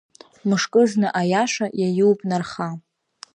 Мышкызны аиаша, иаиуп нарха…